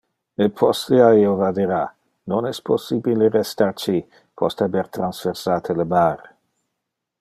E postea io vadera: non es possibile restar ci, post haber transversate le mar.